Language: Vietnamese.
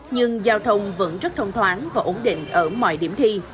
nhưng giao thông vẫn rất thông thoáng và ổn định ở mọi điểm thi